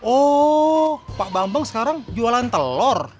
oh pak bambang sekarang jualan telur